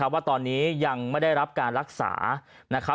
ว่าตอนนี้ยังไม่ได้รับการรักษา